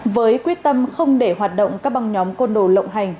với quyết tâm không để hoạt động các băng nhóm côn đồ lộng hành